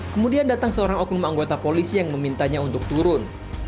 kemudian datang seorang oknum anggota polisi yang memintanya untuk turun